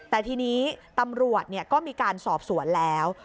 แต่ทีนี้ตำรวจก็มีการสอบสวนแล้ว